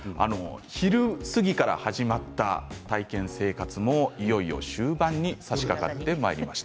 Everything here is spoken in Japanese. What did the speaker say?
昼過ぎから始まった体験生活もいよいよ終盤にさしかかってまいりました。